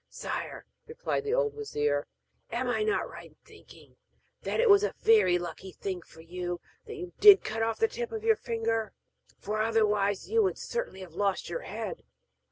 'Sire,' replied the old wazir, 'am I not right in thinking that it was a very lucky thing for you that you did cut off the tip of your finger, for otherwise you would certainly have lost your head.